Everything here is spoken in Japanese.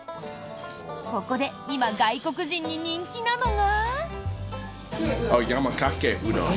ここで今、外国人に人気なのが。